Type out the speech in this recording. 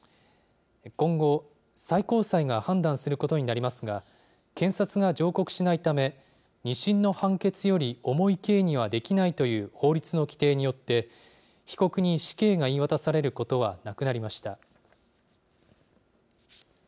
今後、最高裁が判断することになりますが、検察が上告しないため、２審の判決より重い刑にはできないという法律の規定によって、被告に死刑が言い渡されることはなくなりました。